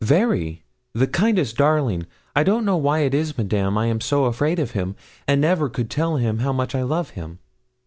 'Very the kindest darling. I don't know why it is, Madame, I am so afraid of him, and never could tell him how much I love him.'